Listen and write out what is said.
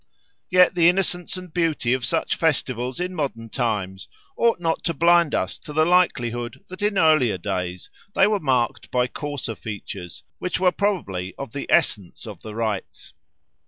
Yet the innocence and beauty of such festivals in modern times ought not to blind us to the likelihood that in earlier days they were marked by coarser features, which were probably of the essence of the rites.